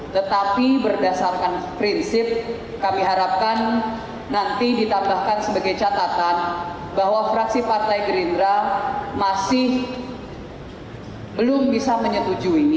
tetapi berdasarkan prinsip kami harapkan nanti ditambahkan sebagai catatan bahwa fraksi partai gerindra masih belum bisa menyetujui ini